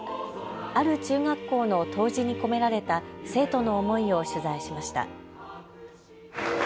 ある中学校の答辞に込められた生徒の思いを取材しました。